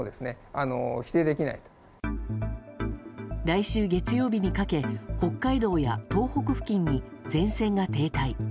来週月曜日にかけ北海道や東北付近に前線が停滞。